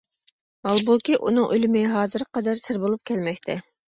ھالبۇكى ئۇنىڭ ئۆلۈمى ھازىرغا قەدەر سىر بولۇپ كەلمەكتە.